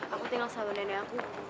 aku tinggal sama nenek aku